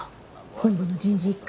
本部の人事一課